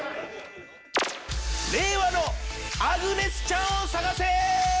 令和のアグネス・チャンを探せ！